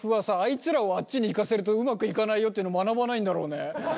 いつらをあっちに行かせるとうまくいかないよっていうの学ばないんだろうね。